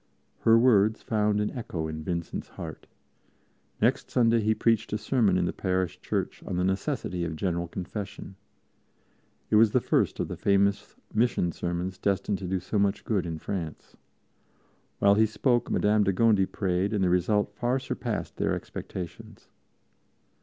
Her words found an echo in Vincent's heart. Next Sunday he preached a sermon in the parish church on the necessity of General Confession. It was the first of the famous mission sermons destined to do so much good in France. While he spoke, Madame de Gondi prayed, and the result far surpassed their expectations.